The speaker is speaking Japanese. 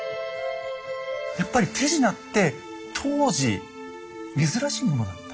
やっぱり手品って当時珍しいものだった？